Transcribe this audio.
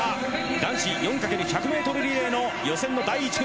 男子４×１００ｍリレーの予選の第１組。